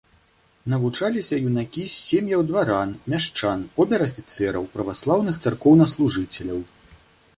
Навучаліся юнакі з сем'яў дваран, мяшчан, обер-афіцэраў, праваслаўных царкоўнаслужыцеляў.